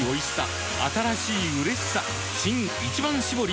新「一番搾り」